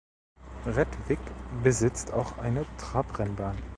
Rättvik besitzt auch eine Trabrennbahn.